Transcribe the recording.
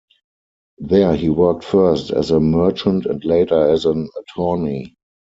There he worked first as a merchant and later as an attorney.